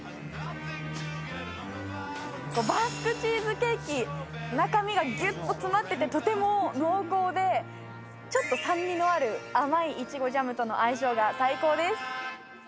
バスクチーズケーキ、中身がギュッと詰まっていてとても濃厚で、ちょっと酸味のある甘いいちごジャムとの相性が最高です。